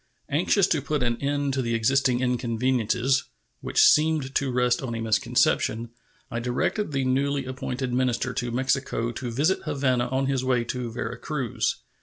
Anxious to put an end to the existing inconveniences (which seemed to rest on a misconception), I directed the newly appointed minister to Mexico to visit Havana on his way to Vera Cruz.